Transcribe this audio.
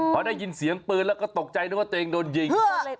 พอได้ยินเสียงปืนแล้วก็ตกใจนึกว่าตัวเองโดนยิง